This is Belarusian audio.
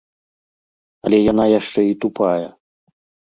Але яна яшчэ і тупая.